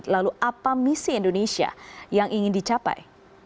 lalu apa misi indonesia yang ingin dicapai